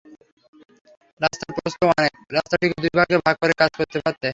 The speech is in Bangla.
রাস্তার প্রস্থ অনেক, রাস্তাটিকে দুই ভাগে ভাগ করে কাজ করতে পারত।